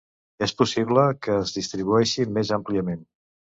És possible que es distribueixi més àmpliament.